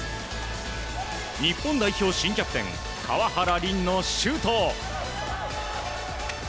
日本代表新キャプテン川原凛のシュート。